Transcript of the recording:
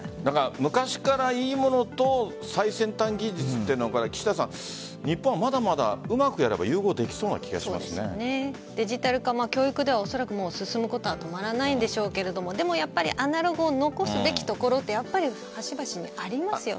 昔から良いものと最先端技術というのは日本はまだまだうまくやればデジタル化教育ではおそらく進むことは止まらないんでしょうけどでもやっぱりアナログを残すべきところってやっぱり端々にありますよね。